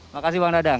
makasih bang dadang